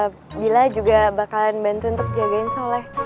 bila juga bakalan bantu untuk jagain soleh